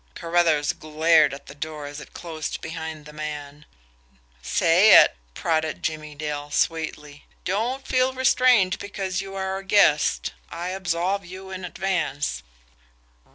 Carruthers glared at the door as it closed behind the man. "Say it!" prodded Jimmie Dale sweetly. "Don't feel restrained because you are a guest I absolve you in advance."